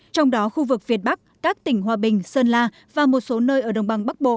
trong đó khu vực việt bắc các tỉnh hòa bình sơn la và một số nơi ở đồng bằng bắc bộ